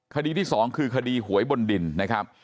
คดีที่สองคือคดีหวยบนดินนะครับ